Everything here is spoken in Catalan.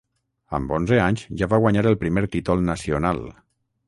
Amb onze anys ja va guanyar el primer títol nacional.